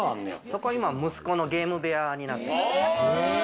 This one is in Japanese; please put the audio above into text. そこ今、息子のゲーム部屋になってる。